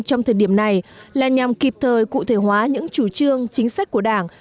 trong thời điểm này là nhằm kịp thời cụ thể hóa những chủ trương chính sách của đảng